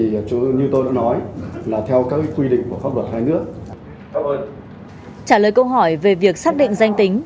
với câu hỏi về việc xác định danh tính